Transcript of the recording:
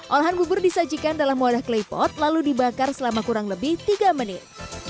olahan bubur disajikan dalam wadah claypot lalu dibakar selama kurang lebih tiga menit